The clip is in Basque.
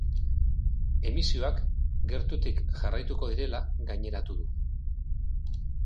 Emisioak gertutik jarraituko direla gaineratu du.